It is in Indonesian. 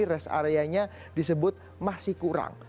rest areanya disebut masih kurang